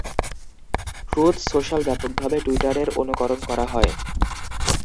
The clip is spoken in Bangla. ট্রুথ সোশ্যাল ব্যাপকভাবে টুইটারের অনুকরণ করা হয়।